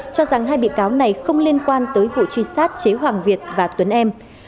cho rằng hai bị cáo này không liên quan tới vụ truy sát chế hoàng việt và tuấn em